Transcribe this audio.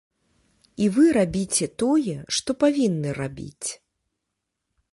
І вы рабіце тое, што павінны рабіць.